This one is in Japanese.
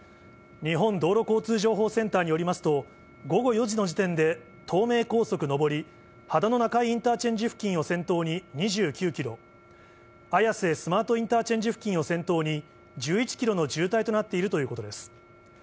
日本道路交通情報センターによりますと、午後４時の時点で東名高速上り、秦野中井インターチェンジ付近を先頭に２９キロ、綾瀬スマートインターチェンジ付近を先頭に１１キロの渋滞となっているということです。